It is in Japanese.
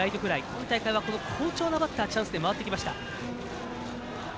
今大会は好調なバッターチャンスで回ってきました。